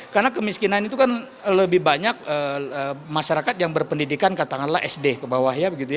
karena kemiskinan itu kan lebih banyak masyarakat yang berpendidikan katakanlah sd ke bawah